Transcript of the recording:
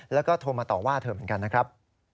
แล้วก็โทรมาต่อว่าเธอเหมือนกันนะครับ